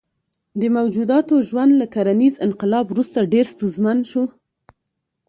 دې موجوداتو ژوند له کرنیز انقلاب وروسته ډېر ستونزمن شو.